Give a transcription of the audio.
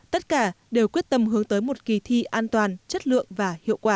tất cả đều quyết tâm hướng tới một kỳ thi an toàn chất lượng và hiệu quả